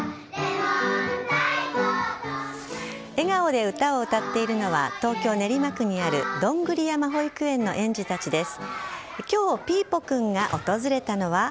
笑顔で歌を歌っているのは東京・練馬区にあるどんぐり山保育園の園児たちです。